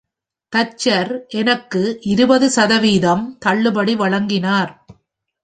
தச்சர் எனக்கு இருபது சதவீதம் தள்ளுபடி வழங்கினார்.